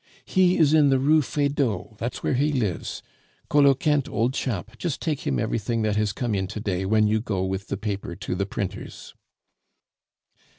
"He is in the Rue Feydeau, that's where he lives. Coloquinte, old chap, just take him everything that has come in to day when you go with the paper to the printers."